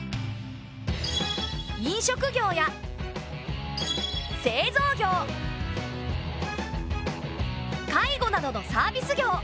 飲食業や製造業介護などのサービス業。